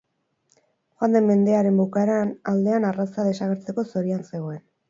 Joan den mendearen bukaera aldean arraza desagertzeko zorian zegoen.